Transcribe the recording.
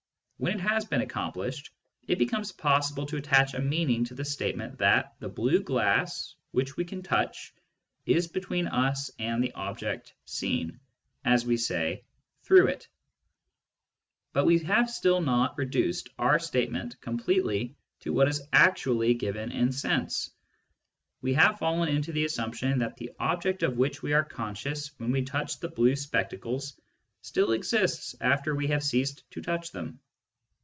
When it has been accomplished, it becomes possible to attach a mean ing to the statement that the blue glass, which we can touch, is between us and the object seen, as we say, " through " it. Digitized by Google THE EXTERNAL WORLD 79 But we have still not reduced our statement completely to what is actually given in sense. We have fallen into the assumption that the object of which we are conscious when we touch the blue spectacles still exists after we have ceased to touch them.